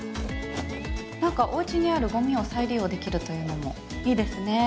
何かおうちにあるごみを再利用できるというのもいいですね。